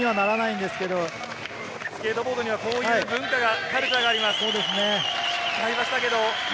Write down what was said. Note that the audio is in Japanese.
スケートボードにはこういうカルチャーがあります。